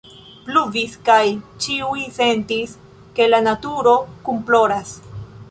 Pluvis, kaj ĉiuj sentis, ke la naturo kunploras.